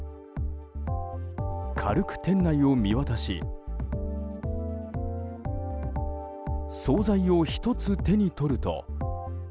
軽く店内を見渡し総菜を１つ手に取ると。